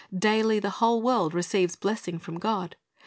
Daily the whole world receives blessing from God.